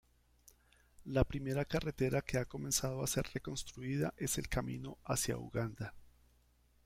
La primera carretera que ha comenzado a ser reconstruida es el camino hacia Uganda.